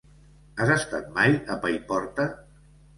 Has estat mai a Paiporta?